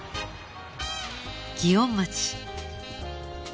祇園町